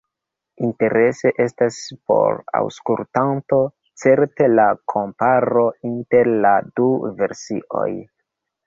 Interese estas por aŭskultanto certe la komparo inter la du versioj.